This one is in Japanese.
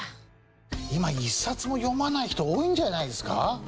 今１冊も読まない人多いんじゃないですか？